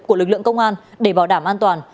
của lực lượng công an để bảo đảm an toàn